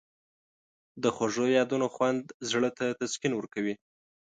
د خوږو یادونو خوند زړه ته تسکین ورکوي.